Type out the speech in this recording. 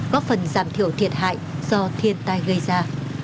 góp phần giảm thiểu thiệt hại do thiên tai gây ra